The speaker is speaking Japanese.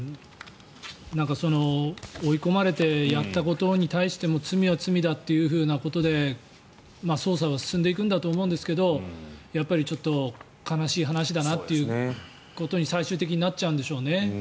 追い込まれてやったことに対しても罪は罪だということで捜査は進んでいくんだと思うんですが悲しい話だなということに最終的になっちゃうんでしょうね。